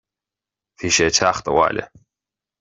Bhí sé ag teacht abhaile